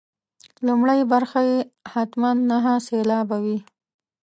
لومړۍ برخه یې حتما نهه سېلابه وي.